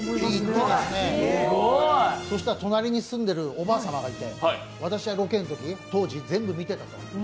そしたら隣に住んでるおばあさまがいて、私はロケのとき、当時、全部見てたのと。